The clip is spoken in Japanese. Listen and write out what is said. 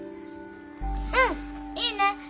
うんいいね。